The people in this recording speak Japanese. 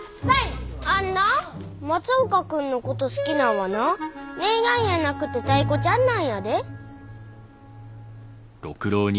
あんな松岡君のこと好きなんはな姉やんやなくてタイ子ちゃんなんやで。